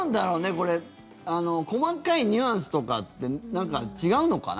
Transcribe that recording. これ、細かいニュアンスとかってなんか違うのかな？